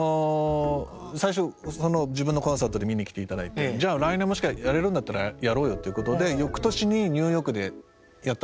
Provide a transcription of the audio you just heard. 最初自分のコンサート見に来ていただいてじゃあ来年もしやれるんだったらやろうよっていうことでよくとしにニューヨークでやったのが最初ですよね。